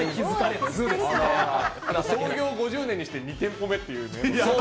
創業５０年にして２店舗目っていうね。